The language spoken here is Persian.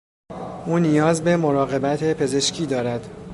او نیاز به مراقبت پزشکی دارد.